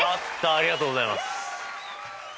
ありがとうございます。